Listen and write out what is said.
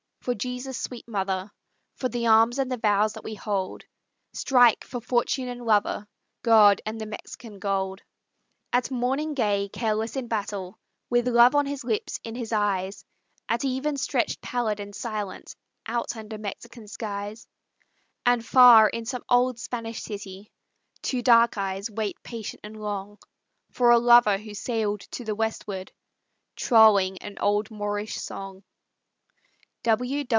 for Jesus' sweet Mother, For the arms and the vows that we hold; Strike for fortune and lover, God, and the Mexican gold!" At morning gay, careless in battle, With love on his lips, in his eyes; At even stretched pallid and silent, Out under Mexican skies. And far in some old Spanish city, Two dark eyes wait patient and long For a lover who sailed to the westward, Trolling an old Moorish song.